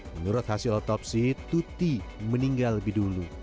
menurut hasil otopsi tuti meninggal lebih dulu